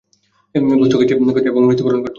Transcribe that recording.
গোশত খসে খসে পড়ত এবং মৃত্যুবরণ করত।